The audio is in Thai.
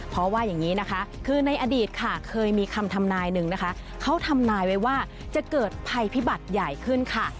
เพราะว่าอย่างนี้นะคะคือในอดีตค่ะเคยมีคำทำนายหนึ่งนะคะเขาทำนายไว้ว่าจะเกิดภัยพิบัติใหญ่ขึ้นค่ะ